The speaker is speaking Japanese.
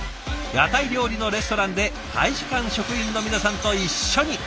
屋台料理のレストランで大使館職員の皆さんと一緒に。